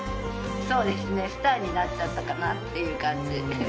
そうですねスターになっちゃったかなっていう感じ。